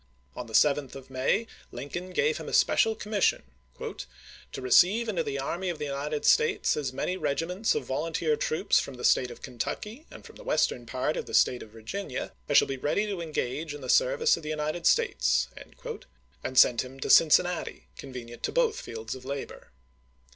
On the 7th of May isei. Lincoln gave him a special commission, " To re ceive into the army of the United States as many regiments of volunteer troops from the State of Kentucky, and from the western part of the State of Virginia, as shall be willing to engage in the series^iii., ser\ice of the United States," and sent him to Gin ^"m.' ^'' einnati, convenient to both fields of labor.